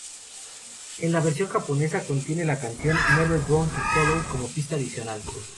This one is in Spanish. En la versión japonesa contiene la canción "Never Born to Follow" como pista adicional.